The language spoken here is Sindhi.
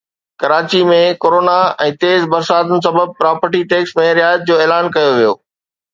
ڪراچي ۾ ڪورونا ۽ تيز برساتن سبب پراپرٽي ٽيڪس ۾ رعايت جو اعلان ڪيو ويو